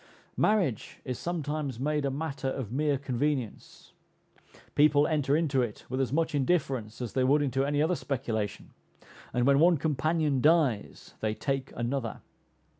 Marriage is sometimes made a matter of mere convenience; people enter into it with as much indifference as they would into any other speculation, and when one companion dies they take another.